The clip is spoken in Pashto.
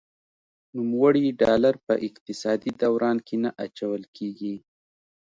نوموړي ډالر په اقتصادي دوران کې نه اچول کیږي.